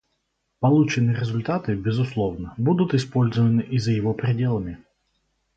Полученные результаты, безусловно, будут использованы и за его пределами.